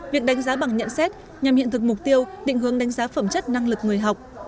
việc đánh giá bằng nhận xét nhằm hiện thực mục tiêu định hướng đánh giá phẩm chất năng lực người học